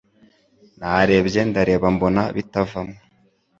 Narebye ndareba mbona bitavamo